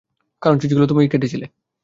কারণ চিজগুলো তো তুমিই কেটেছিল।